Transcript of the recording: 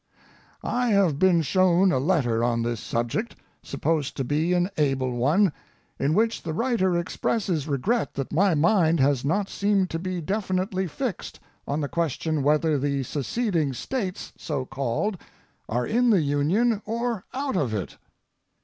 I have been shown a letter on this subject, supposed to be an able one, in which the writer expresses regret that my mind has not seemed to be definitely fixed on the question whether the seceding States, so called, are in the Union or out of it.